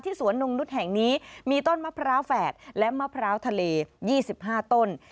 สวนนงนุษย์แห่งนี้มีต้นมะพร้าวแฝดและมะพร้าวทะเล๒๕ต้น